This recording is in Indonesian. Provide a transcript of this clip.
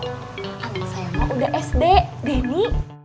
anak saya mah udah sd denny